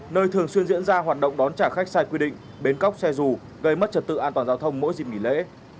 nơi thường xuyên diễn ra hoạt động đón trả khách sai quy định bến cóc xe dù gây mất trật tự an toàn giao thông mỗi dịp nghỉ lễ